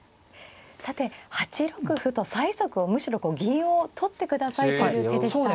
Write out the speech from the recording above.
さて８六歩と催促をむしろこう銀を取ってくださいという手でした。